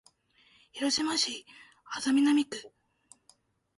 広島市安佐南区